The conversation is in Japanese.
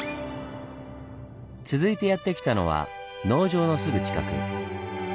続いてやって来たのは農場のすぐ近く。